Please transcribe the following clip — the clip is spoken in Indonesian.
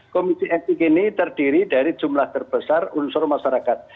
komisi etik ini terdiri dari jumlah terbesar unsur masyarakat